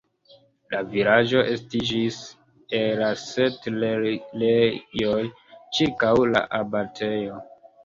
La vilaĝo estiĝis el la setlejoj ĉirkaŭ la abatejo.